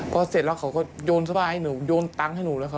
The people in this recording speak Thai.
พอเสร็จแล้วเขาก็โยนเสื้อผ้าให้หนูโยนตังค์ให้หนูเลยค่ะ